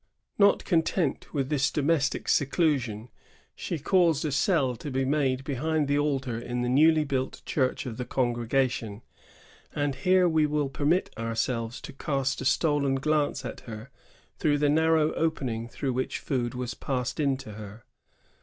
Not content with this domestic seclusion, she caused a cell to be made behind the altar in the newly built church of the Congregation, and here we will permit ourselves to cast a stolen glance at her through the narrow opening through which food was passed in to her.